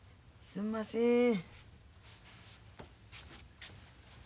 すんません。